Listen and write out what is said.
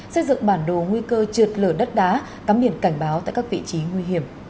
xây dựng bản đồ nguy cơ trượt lở đất đá cắm biển cảnh báo tại các vị trí nguy hiểm